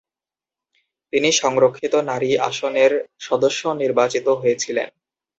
তিনি সংরক্ষিত নারী আসনের সদস্য নির্বাচিত হয়েছিলেন।